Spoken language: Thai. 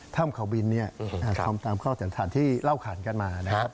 ถ้ำเขาบินทำตามข้อสันฐานที่เล่าขันกันมานะครับ